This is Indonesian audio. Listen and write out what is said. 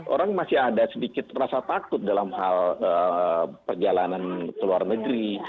orang masih ada sedikit rasa takut dalam hal perjalanan ke luar negeri